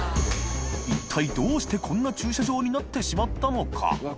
祕貘どうしてこんな駐車場になってしまったのか？